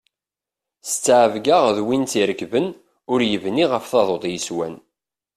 S ttɛebga d win tt-irekben, ur yebni ɣef taḍuṭ yeswan.